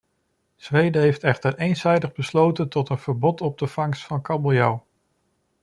Zweden heeft echter eenzijdig besloten tot een verbod op de vangst van kabeljauw.